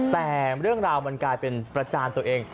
แต่เรื่องราวมันกลายเป็นประจานตัวเอง